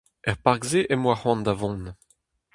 Er park-se em boa c'hoant da vont.